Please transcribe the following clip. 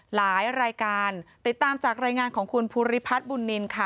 หลายรายการติดตามจากรายงานของคุณภูริพัฒน์บุญนินค่ะ